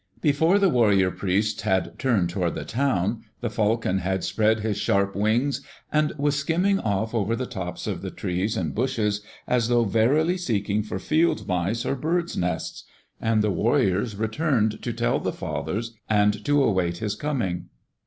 Before the Warrior Priests had turned toward the town, the Falcon had spread his sharp wings and was skimming off over the tops of the trees and bushes as though verily seeking for field mice or birds' nests. And the Warriors returned to tell the fathers and to await his coming.